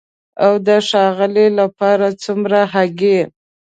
او د ښاغلي لپاره څومره هګۍ؟